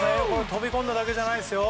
飛び込んだだけじゃないです。